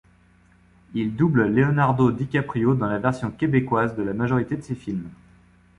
Il double Leonardo DiCaprio dans la version québécoise de la majorité de ses films.